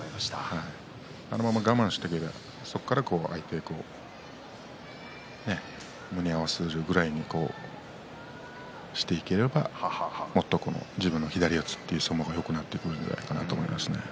あのまま我慢してそこから胸を合わせるぐらいにしていければもっと自分の左四つという相撲がよくなっていくと思いますね。